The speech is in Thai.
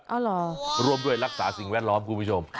เอาเหรอร่วมด้วยรักษาสิ่งแวดล้อมคุณผู้ชม